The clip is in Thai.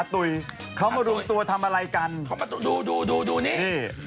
อ๋อตุ๋ยเขามารูมตัวทำอะไรกันเขามีตัวดูนี่